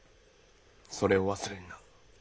それを忘れるな。